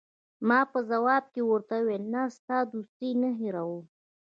ما په ځواب کې ورته وویل: نه، ستا دوستي نه هیروم.